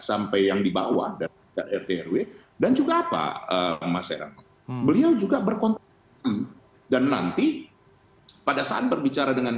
sampai yang dibawah dan juga apa mas herango beliau juga berkonten dan nanti pada saat berbicara dengan